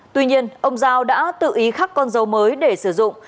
tuy nhiên ông giao đã tự ý khắc con dấu mới để sử dụng